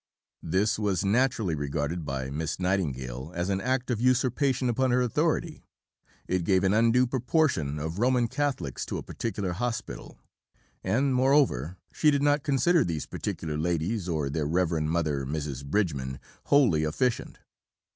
This was naturally regarded by Miss Nightingale as an act of usurpation upon her authority; it gave an undue proportion of Roman Catholics to a particular hospital; and, moreover, she did not consider these particular ladies, or their Reverend Mother, Mrs. Bridgeman, wholly efficient.